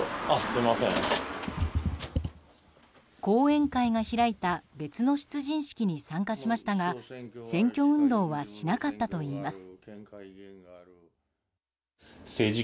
後援会が開いた別の出陣式に参加しましたが選挙運動はしなかったといいます。